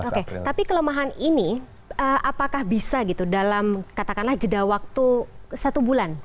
oke tapi kelemahan ini apakah bisa gitu dalam katakanlah jeda waktu satu bulan